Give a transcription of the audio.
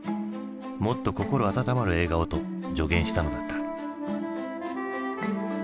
「もっと心温まる映画を」と助言したのだった。